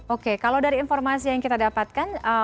oke kalau dari informasi yang kita dapatkan